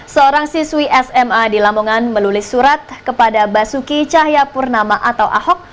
seorang siswi sma di lamongan melulis surat kepada basuki cahayapurnama atau ahok